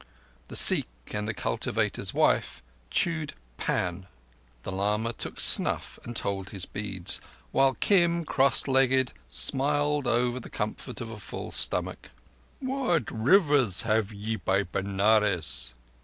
The Sikh and the cultivator's wife chewed pan; the lama took snuff and told his beads, while Kim, cross legged, smiled over the comfort of a full stomach. "What rivers have ye by Benares?"